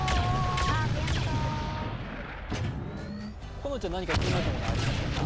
このちゃん、何か気になったものありましたか？